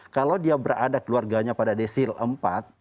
kalau dia berada keluarganya pada desil empat